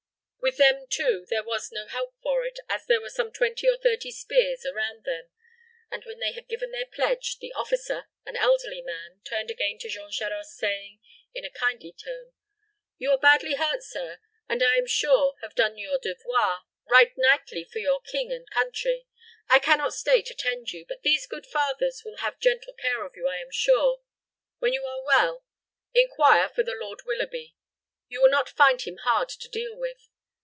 With them, too, there was no help for it, as there were some twenty or thirty spears around the them; and when they had given their pledge, the officer, an elderly man, turned again to Jean Charost, saying, in a kindly tone, "You are badly hurt, sir, and I am sure have done your devoir right knightly for your king and country. I can not stay to tend you; but these good fathers will have gentle care of you, I am sure. When you are well, inquire for the Lord Willoughby. You will not find him hard to deal with.